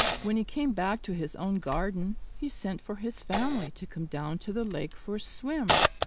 When he came back to his own garden, he sent for his family to come down to the lake for a swim.